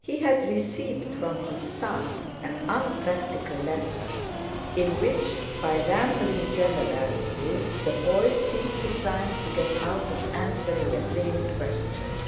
He had received from his son an unpractical letter, in which by rambling generalities the boy seemed trying to get out of answering a plain question.